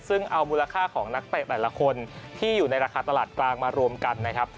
ซึ่งเอามูลค่าของนักเตะแต่ละคนที่อยู่ในราคาตลาดกลางมารวมกันนะครับ